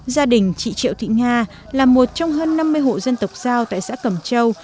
gia đình chị triệu thị nga là một trong hơn năm mươi hộ dân tộc giao tại xã cầm châu